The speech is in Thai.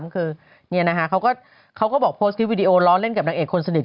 คือเนี่ยนะฮะเขาก็บอกโพสต์คลิปวิดีโอร้อนเล่นกับนักเอกคนสนิท